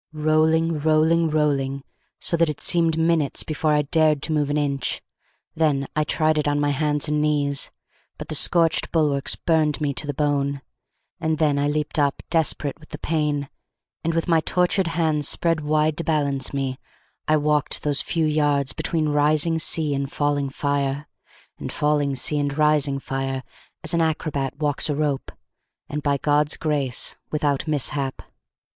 Rolling, rolling, rolling so that it seemed minutes before I dared to move an inch. Then I tried it on my hands and knees, but the scorched bulwarks burned me to the bone. And then I leapt up, desperate with the pain; and, with my tortured hands spread wide to balance me, I walked those few yards, between rising sea and falling fire, and falling sea and rising fire, as an acrobat walks a rope, and by God's grace without mishap.